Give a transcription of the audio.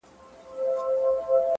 د زړه بوټى مي دی شناخته د قبرونو”